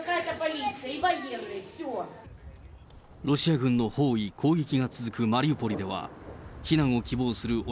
ロシア軍の包囲、攻撃が続くマリウポリでは、避難を希望する